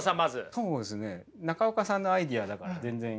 そうですね中岡さんのアイデアだから全然いいと思います。